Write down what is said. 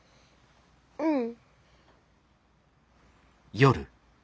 うん。